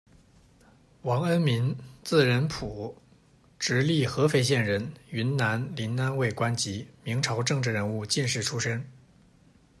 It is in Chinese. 王恩民，字仁溥，直隶合肥县人，云南临安卫官籍，明朝政治人物、进士出身。